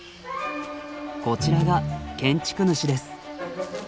こちらが建築主です。